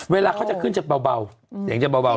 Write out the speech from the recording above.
เวลาเขาจะขึ้นจะเบาตลอดอย่างนี่จะเบา